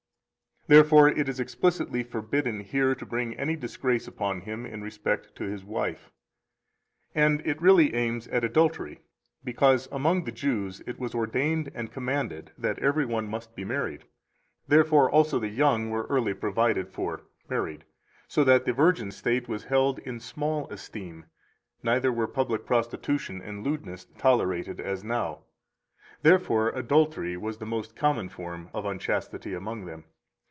Therefore it is explicitly forbidden here to bring any disgrace upon him in respect to his wife. 201 And it really aims at adultery, because among the Jews it was ordained and commanded that every one must be married. Therefore also the young were early provided for [married], so that the virgin state was held in small esteem, neither were public prostitution and lewdness tolerated (as now). Therefore adultery was the most common form of unchastity among them.